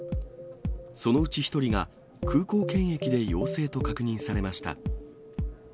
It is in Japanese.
そのうち１人が空港検疫で陽性と確認されました。